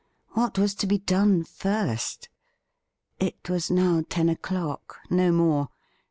What was to be done first ? It was now ten o'clock — no more.